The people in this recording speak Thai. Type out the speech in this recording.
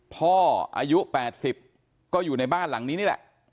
พ่ออายุ๘๐ก็อยู่ในบ้านหลังนี้นี่แหละ